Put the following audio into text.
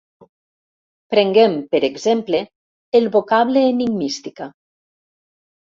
Prenguem, per exemple, el vocable "enigmística".